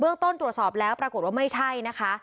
ต้นตรวจสอบแล้วปรากฏว่าไม่ใช่นะคะ